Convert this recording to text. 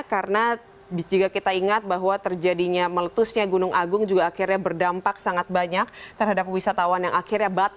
karena jika kita ingat bahwa terjadinya meletusnya gunung agung juga akhirnya berdampak sangat banyak terhadap wisatawan yang akhirnya bat